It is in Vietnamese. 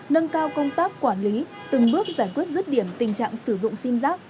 nâng cao công tác quản lý từng bước giải quyết rứt điểm tình trạng sử dụng sim rác sim nạc danh